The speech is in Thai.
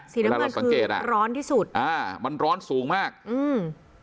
สีน้ำเงินคือร้อนที่สุดอ่ามันร้อนสูงมากอืม